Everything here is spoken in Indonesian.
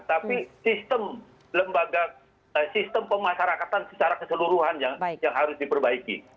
tapi sistem pemasyarakatan secara keseluruhan yang harus diperbaiki